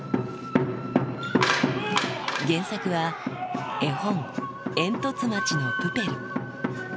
原作は絵本、えんとつ町のプペル。